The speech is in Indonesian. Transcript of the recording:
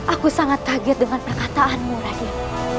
aku sangat kaget dengan perkataanmu rahim